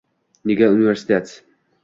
Nega universitet?